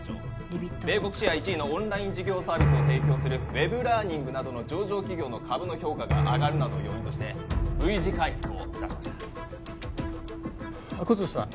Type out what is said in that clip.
・米国シェア１位のオンライン授業サービスを提供するＷｅｂラーニングなどの上場企業の株の評価が上がるなどを要因としてＶ字回復をいたしました阿久津さん